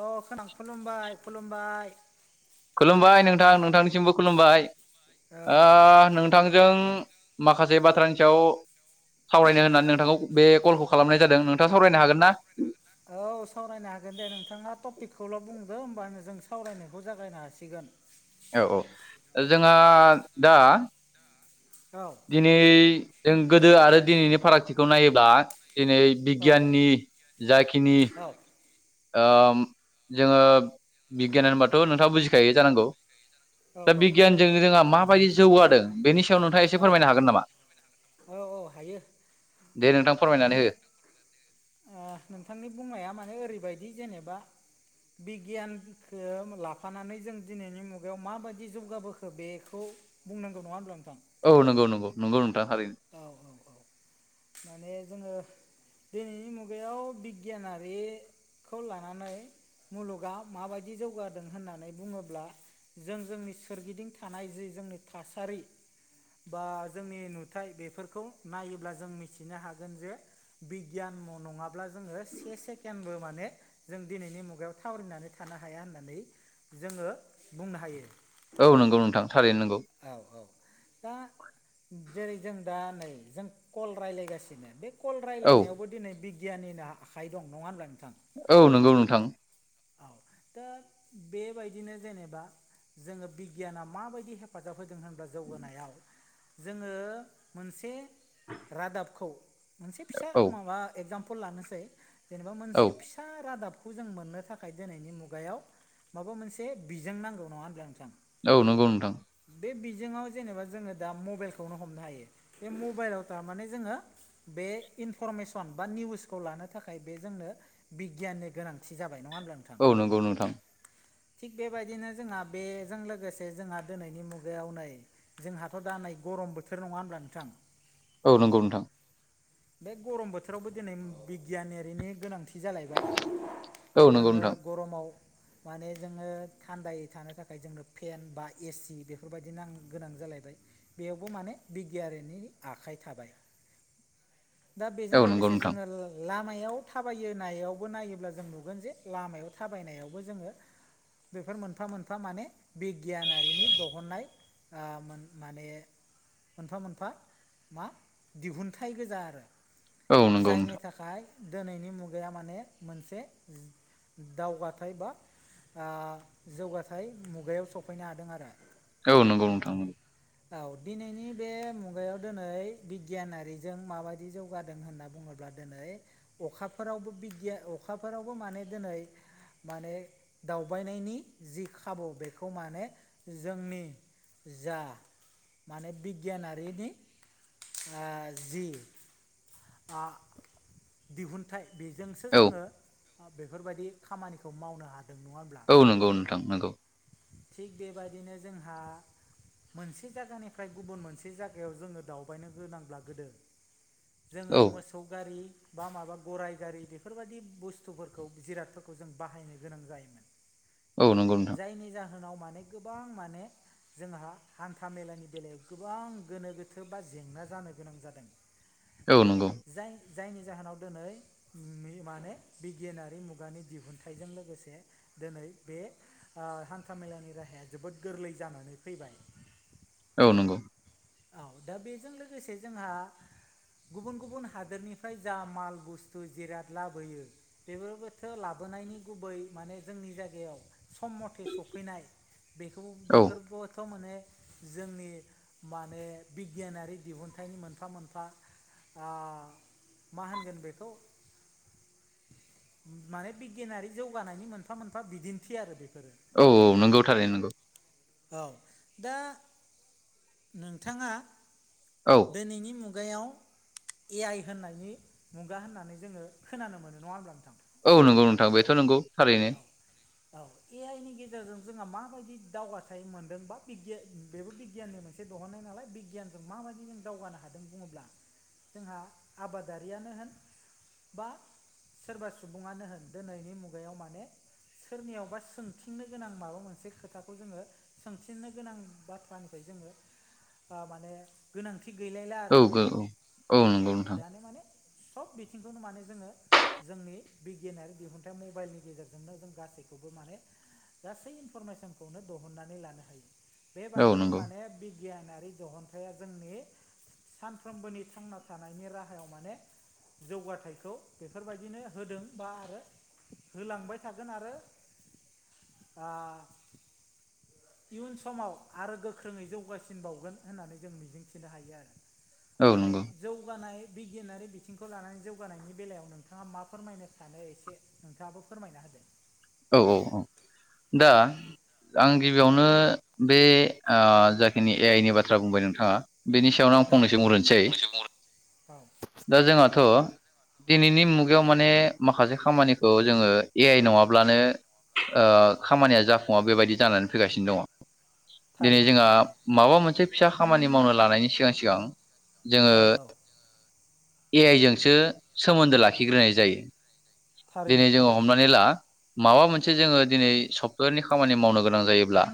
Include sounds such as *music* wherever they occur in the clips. अ खोनादों खुलुमबाय खुलुमबाय खुलुमबाय नोंथां नोंथांनिसिमबो खुलुमबाय। औ नोंथांजों माखासे बाथ्रानि सायाव सावरायनो होननानै नोंथांखौ बे कलखौ खालामनाय जादों नोंथांङा सावरायनो हागोन ना? औव सावरायनो हागोन दे नोंथांङा टपिकखौल' बुंदों होमबानो जों सावरायनायखौ जागायनो हासिगोन। औव औव जोंहा दा दा औ दिनै जों गोदो आरो दिनैनि फारागथिखौ नायोब्ला दिनै औ बिगियाननि जाखिनि औ जोंङो बिगियान होनबथ' नोंथांङा बुजिखायो जानांगौ। औ दा बिगियानजों जोंहा माबायदि जौगादों बेनि सायाव नोंथांङा एसे औ फोरमायनो हागोन नामा? औ औ हायो दे नोंथां फोरमायनानै माने हो नोंथांनि बुंनाया माने ओरैबायदि जेनेबा बिगियानखौ लाफानानै जों दिनैनि मुगायाव बेायाव माबायदि जौगाबोखो बेखौ बुंनांगौ नङा होनोमब्ला नोंथां औ नंगौगौ नंगौ नथां ह औ औ औ माने जोङो दिनैनि मुगायाव बिगियानारि खौ लानानै मुलुगा माबायदि जौगादों होननानै बुङोब्ला जों जोंनि सोरगिदिं थानाय जि जोंनि थासारि बा जोंनि नाथाय बेफोरखौ नायोब्ला जों मिथिनो हागोन जे बिगियान नङाब्ला जोङो से सेकेन्दडबो माने जों दिनैनि मुगायाव थावरिनानै थानो हाया होननानै जोङो बुंनो हायो औ नंगौ नोंथां थारैनो नोंगौ औ औ दा जेरै जों दा नै जों कल रायज्लायगासिनो बे कल औ रायलायावबो दिनै बिगियाननिनो आखाइ दं नङा होनब्ला नोंथां औ नंगौ नोंथां औ दा बेबायदिनो जेनेबा जोङो बिगियाना माबायदि हेफाजाब होदों होनब्ला जौगानायाव जोङो मोनसे रादाबखौ मोनसे फिसा औ माबा एगजामपोल लानोसै जेनेबा औ मोनसे फिसा रादाब खौ जों मोननो थाखाय दिनैनि मुगायाव माबा मोनसे बिजों नांगौ नङा होनब्ला नोंथां *unintelligible* औ नंगौ नोंथां बे बिजोङाव जेनेबा जोङो दा मबाइलखौनो हमनो हायो बे मबाइलाव थाराने जोङो *unintelligible* बे इनफरमेसन बा निउसखौ लानो थाखाय बे जोंनो *unintelligible* बिगियाननि गोनांथि जाबाय नङा होमब्ला नोंथ औ नंगौ नोंथां थिग बेबायदिनो जोंहा बेजों लोगोसे जोंहा दोनैनि मुगायाव नै जोंहाथ' दा नै गरम बोथोर नङा होनोमब्ला नोंथां औ नंगौ नोंथां बे गरम बोथोरावबो दिनै बिगियानरिनि गोनांथि जालायबाय औ नंगौ नोङो नोंथां गरमाव माने जोङो थान्दायै थानो थाखाय जोंनो फेेन बा एसि बेफोरबायदिनोांगोनां जालायबाय बेयावबो माने बिगियाननि आखाइ थाबाय दा बेजों औ नंगौ लोगोसे नोंथां जोङो लामायाव थाबायोनायावबो नायोब्ला जों नुगोन जे लामायाव थाबायनायावबो जोङो। बेफोर मोनफा मोनफा माने बिगियान आरो हारिनि दिहुननाय माने मोनफा मोनफा मा दिहुनथाइ गोजा आरो औ नंगौ जायनि नोंथां थाखाय नथाय दिनैनि मुगाया माने मोनसे दावगाथाय बा जौगाथाय मुगायाव सफैनो हादों आरो औ नंगौ नोंथां *inaudible* औ दिनैनि बे मुगायाव दिनै बिगियानारिजों माबायदि जौगादों होनना बुङोब्ला दिनै अखाफोरावबो बिदिया अखाफोरावबो माने दिनै माने दावबायनायनि जि खाबु बेखौ माने जोंनि जा माने बिगियानारिनि जि दिहु *unintelligible* नथाय बेजोंसो औ जोङो बेफोरबायदि खामानिखौ मावनो हादों नङा ह होनब्ला औ नगौ नोंथां नगौ थिग बेबायदिनो जोंहा मोनसे जागानिफ्राय गुबुन मोनसे जागायाव जोङो दावबायनो गोनांब्ला गोदो जोङो औ मो सौ गारि बा माबा गराइ गारि बेफोरबायदि बुस्थुफोरखौ जिरादफोरखौ जों बाहायनो गोनां जायोमोन। *inaudible* औ नंगौ नोंथां। जायनि जाहोनाव माने गोबां माने जोंहा हान्था मेलानि बेलायाव गोबां गोनो गोथो बा जेंना जानो गोनां जादों। *inaudible* औ नंगौ। जाय जायनि जाहोनाव दोनै उम मे माने बिगियानारि मुगानि दिहुनथाइजों लोगोसे दोनै बे ओ हान्था मेलानि राहा या जोबोद गोरलै जानानै फैबाय। *unintelligible* औ नंगौ। औ दा बेजों लोगोसे जोंहा गुबुन गुबुन हादोरनिफ्राय जा माल बुस्थु जिराद लाबोयो बेफोरबोथो लाबोनायनि गुबै माने जोंनि जायगायाव सम मथे सफैनाय बेखौ औ बेफोरखौथ' माने जोंनि माने बिगियानारि दिहुन्थायनि मोनफा मोनफा आ मा होनगोन बेखौ माने बिगियानारि जौगानायनि मोनफा मोनफा बिदिन्थि आरो बेफोरो। औ औ नंगौ थारैनो नंगौ। औ दा नोंथाङा औ। दोनैनि मुगायाव ए आइ होननायनि मुगा होननानै जोङो खोनानो मोनो नङा होमब्ला नोंथां? औ नंगौ नोंथां बेथ' नंगौ थारैनो। औ औ ए आइ नि गेजेरजों जोंहा माबायदि दावगा नाय मोनदों बा बिगिया बेबो बिगियाननि मोनसे दहननाय नालाय बिगियानजों माबायदि जों दावगानो हा दों बुंङोब्ला जोंहा आबादारियानो होन बा सोरबा सुबुंङानो होन दिनैनि मुगायाव माने सोरनियावबा सोंथिंनो गोनां माबा मोनसे खोथाखौ जोङो सोंफिननो गोनां बाथ्रानिफ्राय जोङो ओ माने गोनांथि गैलायला औ आरो माने औ औ नंगौ नोंथां दाना माने सब बिथिंखौनो माने जोङो जोंनि बिगियानारि दिहुन्थाय मबाइलनि गेजेरजोंनो जों गासैखौबो माने गासै इनफरमेसनखौनो दहननानै लानो हायो औ बेबायदिनो नंगौ माने बि गियानारि दहन्थाया जोंनि सानफ्रोमबोनि थांना थानायनि राहायाव माने जौगाथायखौ बेफोरबायदिनो होदों बा आरो होलांबाय थागोन आरो आं इयुन समाव आरो गोख्रोङै जौगासिनबावगोन होननानै जों मिजिंथिनो हायो आरो। औ दा बे नंगौ जौगानाय बिगियानारि बिथिंखौ लानानै जौगानायनि बेलायाव नोंथाङा मा फोरमायनो सानो एसे नोंथाङाबो फोरमायना होदो। औ औ औ दा औ आं गिबियावनो बे ओ जाखिनि ए आइ नि बाथ्रा बुंबाय नोंथाङा। बेनि सायावनो आं औ फंनैसो बुंग्रोनोसै *unintelligible* औ। दा जोंहाथ' दिनैनि मुगायाव माने माखासे खामानिखौ जोङो ए आइ नंङाब्लानो ओ खामानिया जाफुंङा बेबायदि जानानै फैगासिनो दङ। जेरै थारैनो जोंहा थारैनो माबा मोनसे फिसा खामानि मावनो लानायनि सिगां सिगां जोङो औ औ ए आइ जोंसो सोमोन्दो लाखिग्रोनाय जायो दिनै थारैनो जोङो थारैनो हमनानै ला। माबा मोनसे जोङो दिनै सफ्टवेरनि खामानि मावनो गोनां जायोब्ला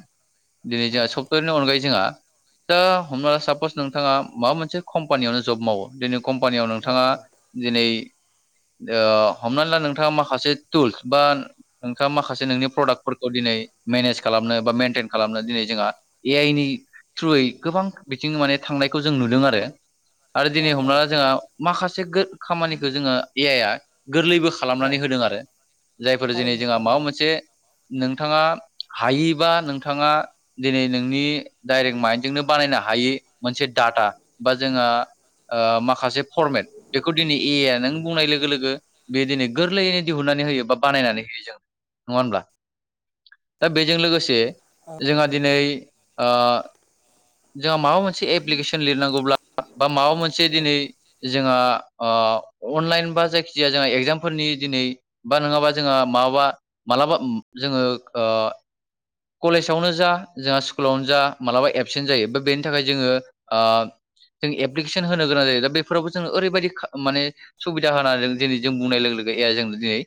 दिनै औ जोंहा औ सप्तेयारनि अनगायै जोंहा दा हमना सापस नोंथाङा माबा मोनसे कम्पानियावनो जब मावो *unintelligible* कम्पानियाव औ नोंथाङा औ दिनै हमनानै ला नोंथाङा माखासे टुलस बा नोंथाङा माखासे नोंनि प्रडाक्टफोरखौ दिनै मेनेज खालामनो बा मेइेनटेन खालामनो दिनै जोंहा ए आइ नि थ्रुयै गोबां बिथिं माने थांनायखौ जों नुदों आरो। आरो औ दिनै हमना ला औ जोंहा माखासे खामानिखौ जोङो ए आइ या गोरलैबो औ औ खालामनानै होदों आरो जायफोर दिनै थारैनो जोंहा थारैनो माबा मोनसे नोंथाङा हायैबा नोंथाङा दिनै नोंनि डाइरेक्ट माइन्डजोंनो बानायनो हायि मोनसे डाटा बा जोंहा माखासे फरमेट बेखौ दिनै ए आइ आ नों बुंनाय लोगो लोगो बे दिनै गोरलैयैनो दिहुननानै होयो बा बानायनानै होयो जों नङा होमब्ला? दा बेजों लोगोसे औ औ जोंहा औ दिनै जोंहा माबा मोनसे एप्लिकेसन लिरनांगौब्ला बा माबा मोनसे औ दिनै जोंहा अनलाइन बा जायखि जाया जोंहा एगजामफोरनि दिनै बा नङाबा जोंहा माबा मालाबा जोङो कलेजावनो जा जोंहा स्कुलावनो जा मालाबा एबसेन्ट जायो बा बेनि थाखाय जोङो जों एप्लिकेसन होनो गोनां जायो दा बे फोरावबो जोङो ओरैबायदि माने सुबिदा होनानै दिनै जों बुंनाय लोगो लोगो *unintelligible* जों दिनै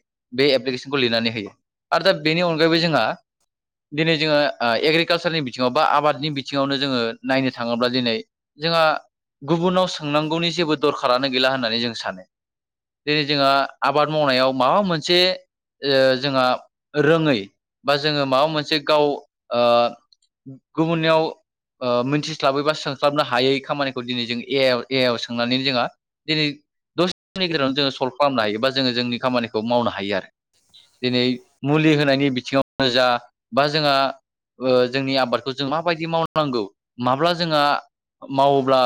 बे एप्लिकेसनखौ लिरनानै होयो आरो दा बेनि अनगायैबो जोंहा दिनै जोङो एग्रिकालसारनि बिथिङाव बा आबादनि बिथिङावनो जोङो नायनो थाङोब्ला दिनै जोंहा गुबुनाव सोंनांगौनि जेबो दरखारानो गैला होननानै जों सानो दिनै जोंहा आबाद मावनायाव माबा मोनसे जोंहा रोङै बा जोङो माबा मोनसे गाव गुबुननियाव मिथिस्लाबै बा सोंस्लाबनो हायै खामानिखौ दिनै जों ए आइ आव ए आव सोंनानै जोंहा दिनै दसे समनि गेजेरावनो जोङो सल्भ खालामनो हायो बा जोङो जोंनि खामानिखौ मावनो हायो आरो। दिनै मुलि होनायनि बिथिङावनो जा बा जोंहा जोंनि आबादखौ जों माबायदि मावनांगौ माब्ला जोंहा मावोब्ला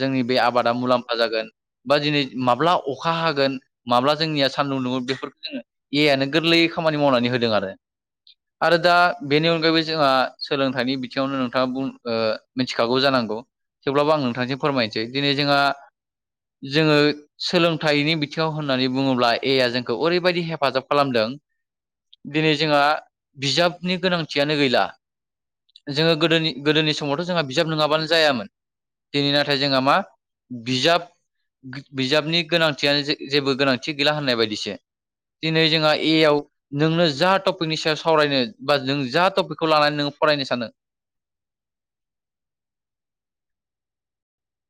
जोंनि बे आबादा मुलाम फा जागोन बा दिनै माब्ला अखा हागोन माब्ला जोंनिया सान्दुं दुंङो बेफोरखौ जोङो ए आइ आनो गोरलैयै खामानि मावनानै होदों आरो। आरो दा बेनि अनगायैबो जोंहा सोलोंथाइनि बिथिङावनो नोंथाङा मिथिखागौ जानांगौ थेवब्लाबो आं नोंथांसिम फोरमायनोसै दिनै जोंहा जोङो सोलोंथाइनि बिथिङाव होननानै बुङोब्ला ए आइ जोंखौ ओरैबायदि हेफाजाब खालामदों दिनै जोंहा बिजाबनि गोनांथियानो गैला। जोङो गोदोनि गोदोनि समावथ' जोंहा बिजाब नङाबानो जायामोन। दिनै नाथाय जोंहा मा बिजाब बिजाबनि गोनांथियानो जेबो गोनांथि गैला होननाय बायदिसो दिनै जोंहा ए आव नोंनो जा टपिकनि सायाव सावरायनो बा नों जा टपिकखौ लानानै नोङो फरायनो सानो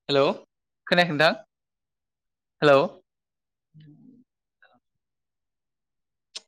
हेलौ खोनायाखै नोंथां हेलौ?